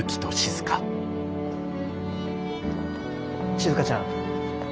しずかちゃん